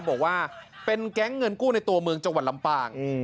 บอกว่าเป็นแก๊งเงินกู้ในตัวเมืองจังหวัดลำปาง